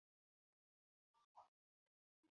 于是他回到以色列陪伴多年没有见面的家人。